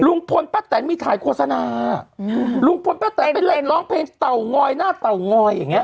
ลุงพลป้าแตนมีถ่ายโฆษณาลุงพลป้าแตนไปเล่นร้องเพลงเต่างอยหน้าเตางอยอย่างเงี้